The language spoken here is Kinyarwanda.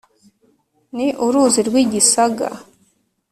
Ni uruzi rw'igisaga